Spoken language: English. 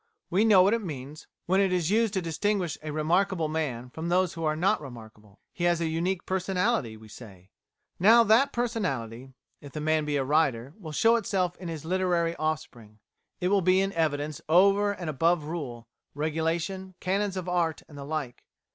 We know what it means when it is used to distinguish a remarkable man from those who are not remarkable. "He has a unique personality," we say. Now that personality if the man be a writer will show itself in his literary offspring. It will be in evidence over and above rule, regulation, canons of art, and the like.